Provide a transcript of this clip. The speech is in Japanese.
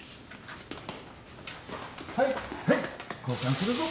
はいはい交換するぞ。